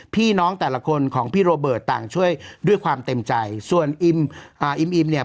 พี่น้องแต่ละคนของพี่โรเบิร์ตต่างช่วยด้วยความเต็มใจส่วนอิมอ่าอิมอิมเนี่ย